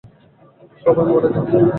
সবাই মরে গেছে।